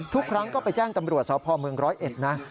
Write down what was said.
ทุกครั้งก็ไปแจ้งตำรวจสพเมืองร้อยเอ็ดนะ